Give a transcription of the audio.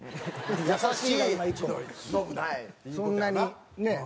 そんなにねえ？